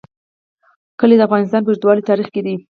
کلي د افغانستان په اوږده تاریخ کې دي.